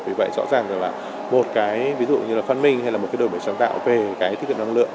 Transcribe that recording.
vì vậy rõ ràng là một cái phân minh hay một đổi bởi sáng tạo về thiết kiệm năng lượng